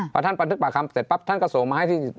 พอท่านบันทึกปากคำเสร็จปั๊บท่านก็ส่งมาให้ที่